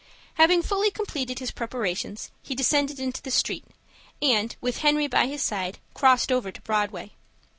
Having fully completed his preparations, he descended into the street, and, with Henry by his side, crossed over to Broadway.